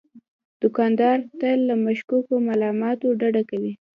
دوکاندار تل له مشکوکو معاملاتو ډډه کوي.